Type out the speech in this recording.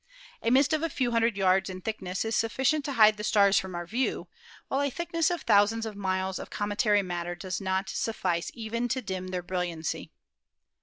A mist of a few hundred yards in thickness is sufficient to hide the stars from our view, while a thick ness of thousands of miles of cometary matter does not suffice even to dim their brilliancy.